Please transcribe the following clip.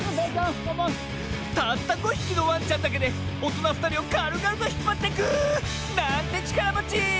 たった５ひきのワンちゃんだけでおとなふたりをかるがるとひっぱってく！なんてちからもち！